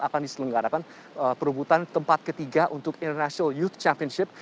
akan diselenggarakan perebutan tempat ketiga untuk international youth championship